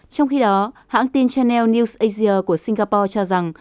trong khi đó hãng tin chanel news asia của singapore cho rằng